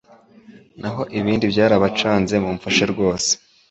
naho ibindi byarabacanze mumfashe rwose